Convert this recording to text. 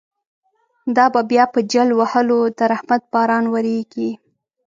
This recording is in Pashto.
دابه بیا په جل وهلو، درحمت باران وریږی